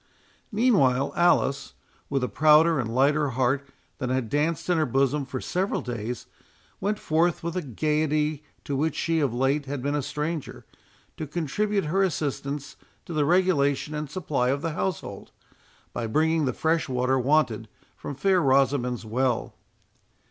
Meanwhile, Alice, with a prouder and a lighter heart than had danced in her bosom for several days, went forth with a gaiety to which she of late had been a stranger, to contribute her assistance to the regulation and supply of the household, by bringing the fresh water wanted from fair Rosamond's well.